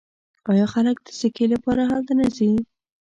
آیا خلک د سکي لپاره هلته نه ځي؟